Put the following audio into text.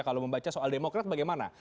kalau membaca soal demokrat bagaimana